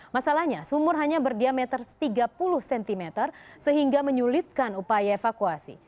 masalahnya sumur hanya berdiameter tiga puluh cm sehingga menyulitkan upaya evakuasi